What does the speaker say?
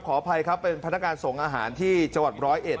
อภัยครับเป็นพนักงานส่งอาหารที่จังหวัดร้อยเอ็ด